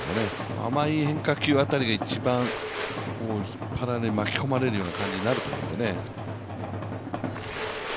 甘い変化球辺りが一番、引っ張られる、巻き込まれる形になると思うんでね。